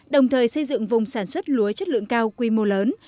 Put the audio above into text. đồng thời xây dựng vùng sản xuất lúa chất lượng cao quy mô lớn